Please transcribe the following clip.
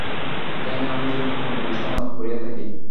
ধ্যানে আমরা এইরূপ পূর্ণ বিশ্রাম লাভ করিয়া থাকি।